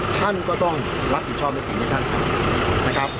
ท่านก็ต้องรับผิดชอบในสิ่งที่ท่านทำนะครับ